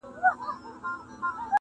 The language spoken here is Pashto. فکر نه کوم چې له ما دې